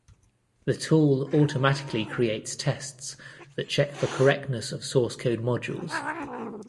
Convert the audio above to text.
The tool automatically creates tests that check for correctness of source code modules.